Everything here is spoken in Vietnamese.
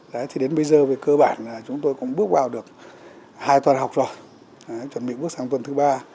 đấy thì đến bây giờ về cơ bản là chúng tôi cũng bước vào được hai tuần học rồi chuẩn bị bước sang tuần thứ ba